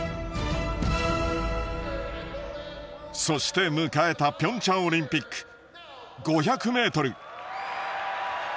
そして迎えたピョンチャンオリンピック５００ｍ。